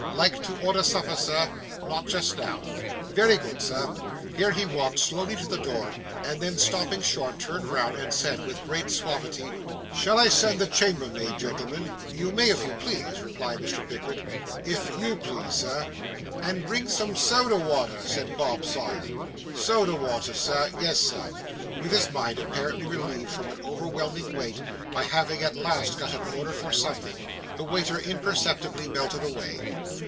Like to order supper, Sir?' 'Not just now.' 'Very good, Sir.' Here, he walked slowly to the door, and then stopping short, turned round and said, with great suavity 'Shall I send the chambermaid, gentlemen?' 'You may if you please,' replied Mr. Pickwick. 'If _you _please, sir.' 'And bring some soda water,' said Bob Sawyer. 'Soda water, Sir! Yes, Sir.' With his mind apparently relieved from an overwhelming weight, by having at last got an order for something, the waiter imperceptibly melted away.